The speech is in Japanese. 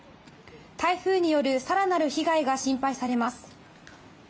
台風による更なる被害が心配されます。